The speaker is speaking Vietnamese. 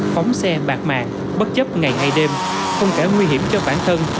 phóng xe bạc mạng bất chấp ngày hay đêm không cả nguy hiểm cho bản thân